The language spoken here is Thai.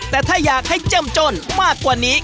แต่ถ้าอยากให้เจ้มจ้นมากกว่านี้